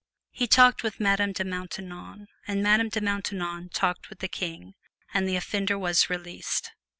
He talked with Madame de Maintenon, and Madame de Maintenon talked with the King, and the offender was released.